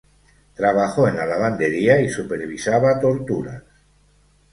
Trabajó en la lavandería y supervisaba torturas.